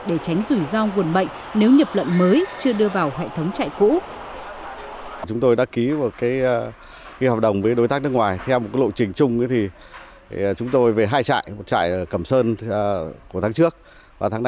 để tránh rủi ro nguồn bệnh